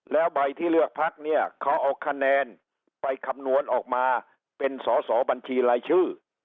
แล้วใบที่เลือกพักเนี่ยเขาเอาคะแนนไปคำนวณออกมาเป็นสอสอบัญชีรายชื่อ